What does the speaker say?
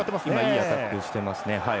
いいアタックしていますね。